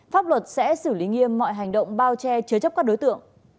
pháp luật sẽ xử lý nghiêm mọi hành động bao che chứa chấp các đối tượng